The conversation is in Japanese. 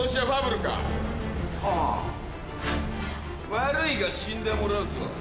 悪いが死んでもらうぞ。